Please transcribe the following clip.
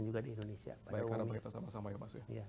juga di indonesia baik karena kita sama sama ya mas ya